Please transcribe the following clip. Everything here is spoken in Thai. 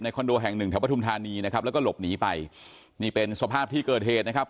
คอนโดแห่งหนึ่งแถวปฐุมธานีนะครับแล้วก็หลบหนีไปนี่เป็นสภาพที่เกิดเหตุนะครับ